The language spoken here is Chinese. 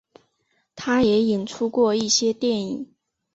他也出演过一些电影。